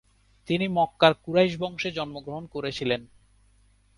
তিনি মক্কার কুরাইশ বংশে জন্মগ্রহণ করেছিলেন।